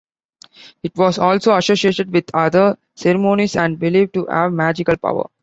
It was also associated with other ceremonies and believed to have magical power.